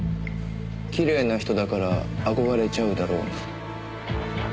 きれいな人だから憧れちゃうだろうな。